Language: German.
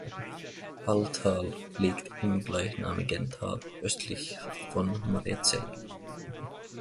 Halltal liegt im gleichnamigen Tal östlich von Mariazell.